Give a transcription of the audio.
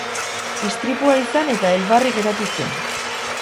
Istripua izan eta elbarri geratu zen.